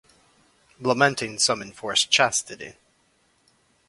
Lamenting some enforced chastity.